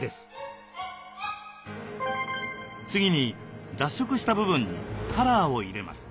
次に脱色した部分にカラーを入れます。